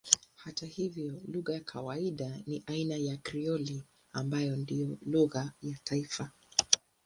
Hata hivyo lugha ya kawaida ni aina ya Krioli ambayo ndiyo lugha ya taifa.